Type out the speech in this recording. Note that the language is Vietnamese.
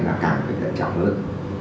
là cảm thấy tận trọng hơn